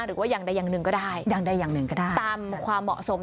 หรือว่าอย่างใดอย่างหนึ่งก็ได้อย่างใดอย่างหนึ่งก็ได้ตามความเหมาะสม